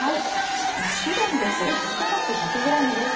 マッシュルームです。